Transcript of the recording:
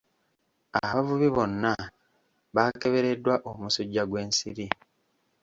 Abavubi bonna baakebereddwa omusujja gw'ensiri.